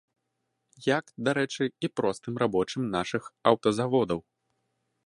Як, дарэчы, і простым рабочым нашых аўтазаводаў.